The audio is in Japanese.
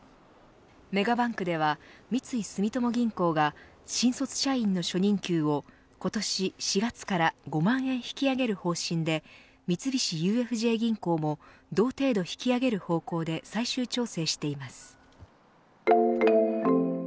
メガバンクでは三井住友銀行が新卒社員の初任給を今年４月から５万円引き上げる方針で三菱ＵＦＪ銀行も同程度引き上げる方向で最終調整しています。